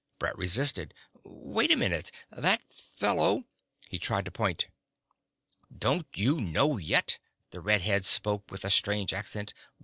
Brett resisted. "Wait a minute. That fellow ..." He tried to point. "Don't you know yet?" The red head spoke with a strange accent.